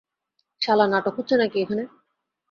শালা, নাটক হচ্ছে নাকি এখানে?